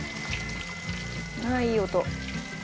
ああいい音。